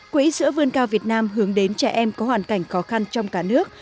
quỹ sữa vươn cao việt nam hướng đến trẻ em có hoàn cảnh khó khăn trong cả nước